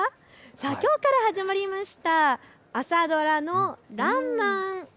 きょうから始まりました朝ドラのらんまん。